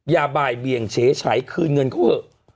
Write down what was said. อย่าบ่ายเบียงเฉยคืนเงินเขาเถอะ